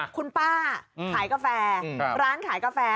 คุณป้าขายกาแฟร้านขายกาแฟ